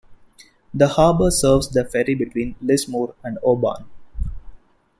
The harbour serves the ferry between Lismore and Oban.